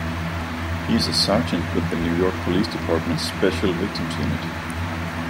He is a sergeant with the New York Police Department's Special Victims Unit.